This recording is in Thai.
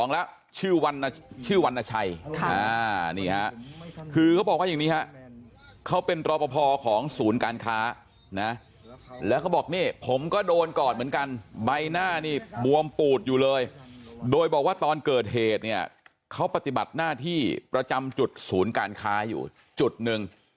แล้วเขาบอกนี่ผมก็โดนกอดเหมือนกันใบหน้านี่บวมปูดอยู่เลยโดยบอกว่าตอนเกิดเหตุเนี่ยเขาปฏิบัติหน้าที่ประจำจุดศูนย์การค้าอยู่จุดหนึ่ง